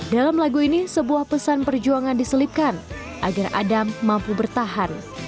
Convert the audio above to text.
dalam lagu ini sebuah pesan perjuangan diselipkan agar adam mampu bertahan